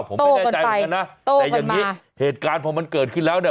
ผมไม่แน่ใจเหมือนกันนะแต่อย่างนี้เหตุการณ์พอมันเกิดขึ้นแล้วเนี่ย